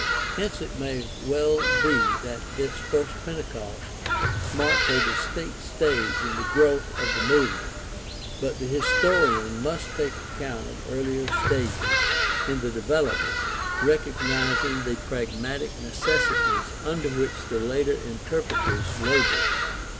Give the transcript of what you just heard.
Hence it may well be that this first Pentecost marked a distinct stage in the growth of the movement, but the historian must take account of earlier stages in the development, recognizing the pragmatic necessities under which the later interpreters labored.